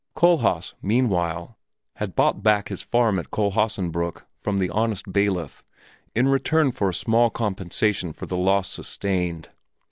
Kohlhaas, meanwhile, had bought back his farm at Kohlhaasenbrück from the honest bailiff, in return for a small compensation for the loss sustained.